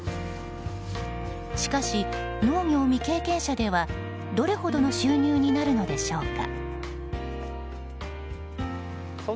しかし、農業未経験者ではどれほどの収入になるのでしょうか？